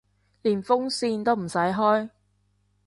連風扇都唔使開